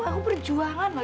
aku berjuangan loh